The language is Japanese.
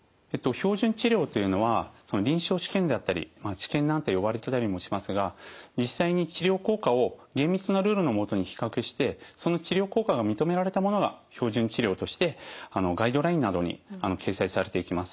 標準治療というのは臨床試験であったり「治験」なんて呼ばれてたりもしますが実際に治療効果を厳密なルールの下に比較してその治療効果が認められたものが標準治療としてガイドラインなどに掲載されていきます。